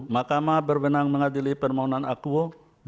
satu makamah berbenang mengadili permohonan akuo